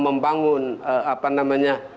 membangun apa namanya